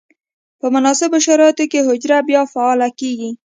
په مناسبو شرایطو کې حجره بیا فعاله کیږي.